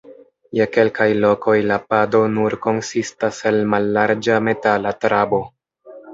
Je kelkaj lokoj la pado nur konsistas el mallarĝa metala trabo.